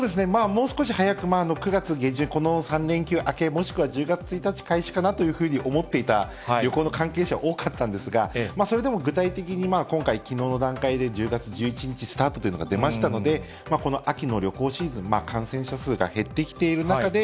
もう少し早く９月下旬、この３連休明け、もしくは１０月１日開始かなと思っていた旅行の関係者多かったんですが、それでも具体的に今回、きのうの段階で１０月１１日スタートというのが出ましたので、この秋の旅行シーズン、感染者数が減ってきている中で、